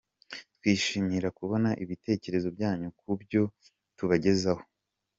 Twishimira kubona ibitekerezo byanyu kubyo tubagezaho.